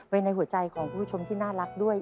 ในหัวใจของคุณผู้ชมที่น่ารักด้วย